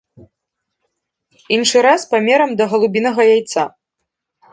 Іншы раз памерам да галубінага яйца.